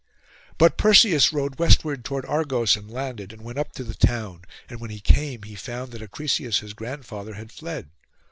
But Perseus rowed westward toward Argos, and landed, and went up to the town. And when he came, he found that Acrisius his grandfather had fled.